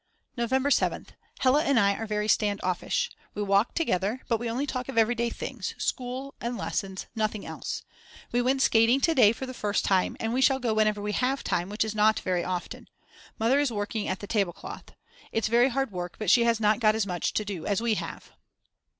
November 7th. Hella and I are very stand offish. We walk together, but we only talk of everyday things, school and lessons, nothing else. We went skating to day for the first time and we shall go whenever we have time, which is not very often. Mother is working at the table cloth. It's very hard work but she has not got as much to do as we have.